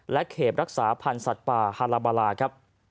และเข็บรักษาพันธุ์สัตว์ป่าฮาราบารา